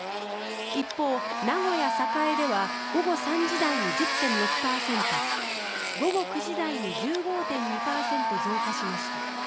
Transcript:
一方、名古屋・栄では午後３時台に１０．６％午後９時台に１５．２％増加しました。